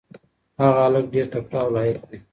هغه هلک ډېر تکړه او لایق دی.